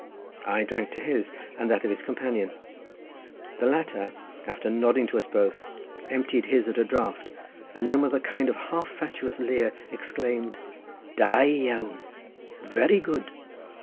I drank to his, and that of his companion; the latter, after nodding to us both, emptied his at a draught, and then with a kind of half fatuous leer, exclaimed "Da iawn, very good."